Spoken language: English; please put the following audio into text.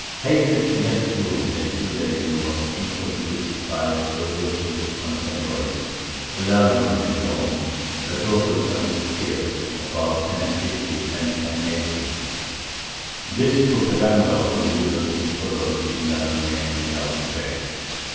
Hatred against Jews and Judaism was equally preached by Theodosius' contemporaries Illarion and John, Metropolitans of Kiev (about 1050 and 1080). This propaganda of religious intolerance did not remain without effect.